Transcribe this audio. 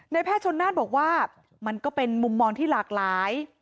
แพทย์ชนนาฏบอกว่ามันก็เป็นมุมมองที่หลากหลาย